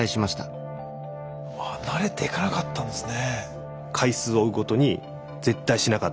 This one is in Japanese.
あ慣れていかなかったんですね。